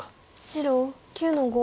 白９の五。